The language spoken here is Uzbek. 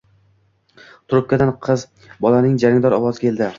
Trubkadan qiz bolaning jarangdor ovozi keldi.